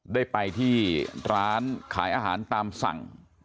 ได้ไปที่ร้านขายอาหารตามสั่ง